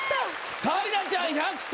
紗理奈ちゃん１００点！